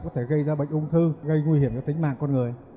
có thể gây ra bệnh ung thư gây nguy hiểm cho tính mạng con người